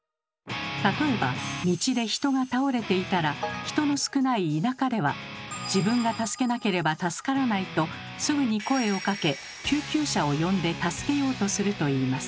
例えば道で人が倒れていたら人の少ない田舎では「自分が助けなければ助からない」とすぐに声をかけ救急車を呼んで助けようとするといいます。